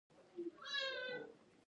وام نو زه به تاسي ته څه ووایم